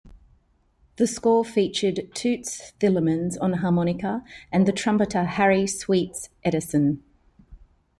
The score featured Toots Thielemans on harmonica and the trumpeter Harry "Sweets" Edison.